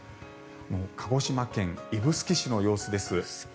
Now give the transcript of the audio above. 鹿児島県指宿市の様子です。